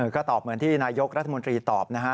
ก็ตอบเหมือนที่นายกรัฐมนตรีตอบนะฮะ